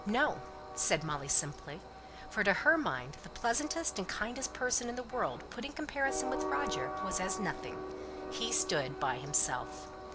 "No!" said Molly, simply; for to her mind the pleasantest and kindest person in the world put in comparison with Roger was as nothing; he stood by himself.